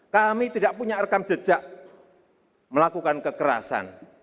kami tidak punya rekam jejak melakukan kekerasan